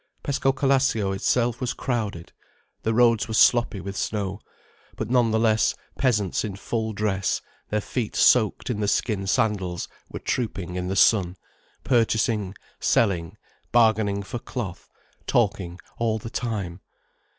Pescocalascio itself was crowded. The roads were sloppy with snow. But none the less, peasants in full dress, their feet soaked in the skin sandals, were trooping in the sun, purchasing, selling, bargaining for cloth, talking all the time.